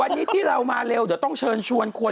วันนี้ที่เรามาเร็วเดี๋ยวต้องเชิญชวนควร